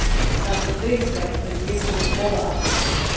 Varbūt trīsreiz, līdz viss būs galā.